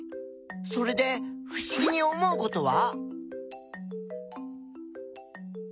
それでふしぎに思うことは？